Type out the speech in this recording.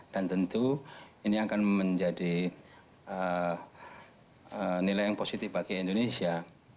dan tentu ini akan menjadi nilai yang positif bagi indonesia